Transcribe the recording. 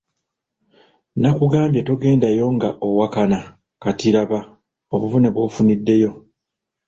Nakugambye togendayo nga owakana kati laba obuvune bw'ofuniddeyo.